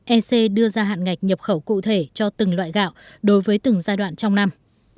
ec đưa ra hạn ngạch nhập khẩu cụ thể cho từng loại gạo đối với từng giai đoạn trong năm